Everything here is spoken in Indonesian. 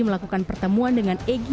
melakukan pertemuan dengan egy